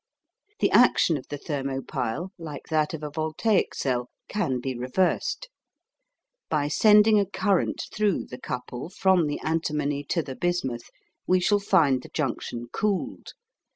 The action of the thermo pile, like that of a voltaic cell, can be reversed. By sending a current through the couple from the antimony to the bismuth we shall find the junction cooled.